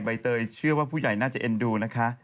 ใบเตยเชื่อว่าผู้ใหญ่น่าจะเอ็นดูนะคะ